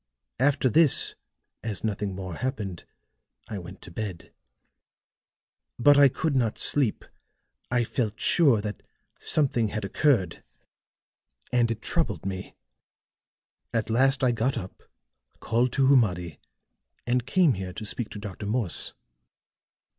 After this, as nothing more happened, I went to bed. But I could not sleep. I felt sure that something had occurred, and it troubled me. At last I got up, called to Humadi and came here to speak to Dr. Morse."